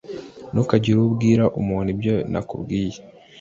Ntukagire uwo ubwira umuntu ibyo nakubwiye.